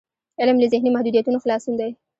علم له ذهني محدودیتونو خلاصون دی.